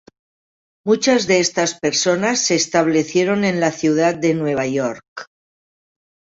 Muchas de estas personas se establecieron en la ciudad de Nueva York.